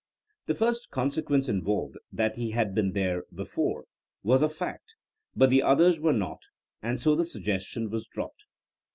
The first consequence involved — ^that he had been there before — ^was a fact, but the others were not, and so the suggestion was dropped.